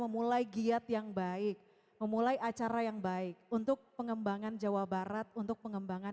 memulai giat yang baik memulai acara yang baik untuk pengembangan jawa barat untuk pengembangan